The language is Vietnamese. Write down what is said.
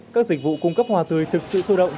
các dịch vụ cung cấp hoa tươi thực sự sôi động